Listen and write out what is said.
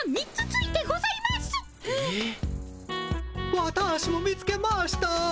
ワタ−シも見つけました！